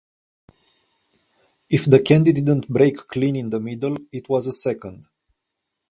If the candy didn't break clean in the middle, it was a second.